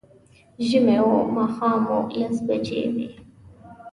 ژمی و، ماښام و، لس بجې وې